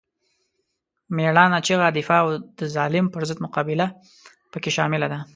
مېړانه، چیغه، دفاع او د ظالم پر ضد مقابله پکې شامله ده.